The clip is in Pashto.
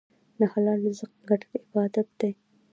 د حلال رزق ګټل عبادت دی.